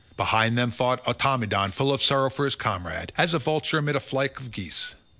Behind them fought Automedon full of sorrow for his comrade, as a vulture amid a flock of geese.